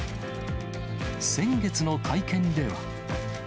先月の会見では。